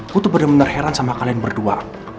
aku tuh bener bener heran sama kalian berdua